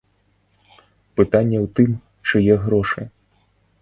Пытанне ў тым, чые грошы.